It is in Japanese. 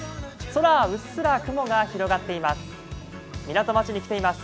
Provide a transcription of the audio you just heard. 空はうっすら雲が広がっています。